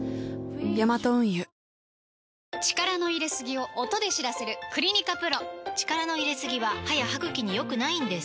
ヤマト運輸力の入れすぎを音で知らせる「クリニカＰＲＯ」力の入れすぎは歯や歯ぐきに良くないんです